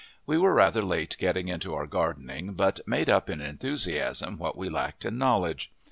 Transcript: We were rather late getting into our gardening, but made up in enthusiasm what we lacked in knowledge.